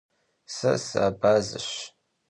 Se sıabazeş.